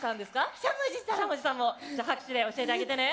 しゃもじさんも拍手で教えてあげてね。